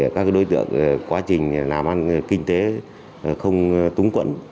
các đối tượng quá trình làm ăn kinh tế không túng quẫn